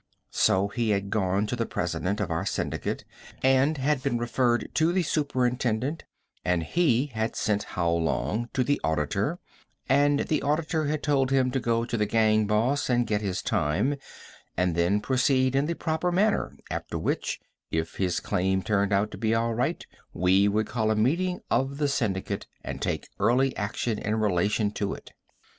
So he had gone to the president of our syndicate and had been referred to the superintendent, and he had sent How Long to the auditor, and the auditor had told him to go to the gang boss and get his time, and then proceed in the proper manner, after which, if his claim turned out to be all right, we would call a meeting of the syndicate and take early action in relation to it.